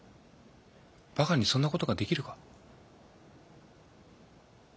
バカにそんな事ができるか？